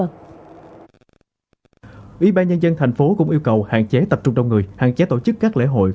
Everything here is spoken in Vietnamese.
ủy ban nhân dân thành phố cũng yêu cầu hạn chế tập trung đông người hạn chế tổ chức các lễ hội